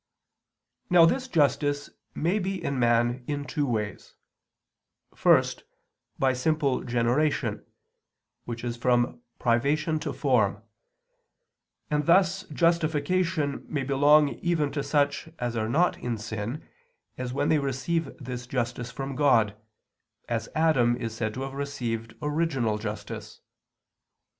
Now this justice may be in man in two ways: first, by simple generation, which is from privation to form; and thus justification may belong even to such as are not in sin, when they receive this justice from God, as Adam is said to have received original justice.